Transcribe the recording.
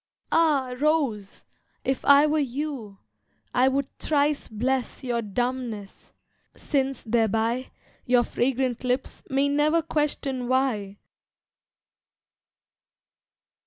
ah! rose, if I were you, I would thrice bless your dumbness, since thereby Your fragrant lips may never question why.